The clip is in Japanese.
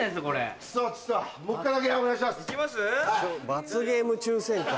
「罰ゲーム抽選会」。